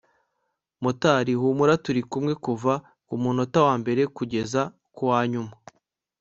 Motari humura turikumwe kuva kumunota wa mbere kugeza kuwa nyuma